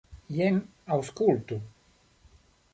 Jen, aŭskultu.